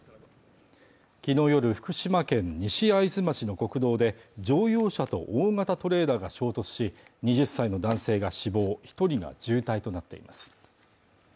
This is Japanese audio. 昨日夜、福島県西会津町の国道で乗用車と大型トレーラーが衝突し２０歳の男性が死亡一人が重体となっています